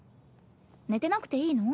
寝てなくていいの？